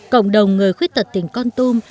cộng đồng người khuyết tật tỉnh con tum